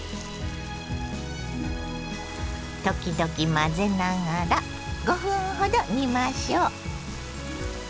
時々混ぜながら５分ほど煮ましょう。